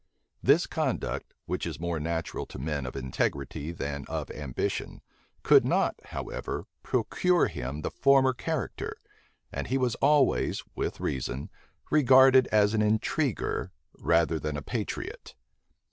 This conduct, which is more natural to men of integrity than of ambition, could not, however, procure him the former character; and he was always, with reason, regarded as an intriguer rather than a patriot.